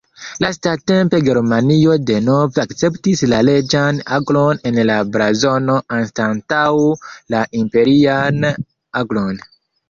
Lastatempe Germanio denove akceptis la reĝan aglon en la blazono anstataŭ la imperian aglon.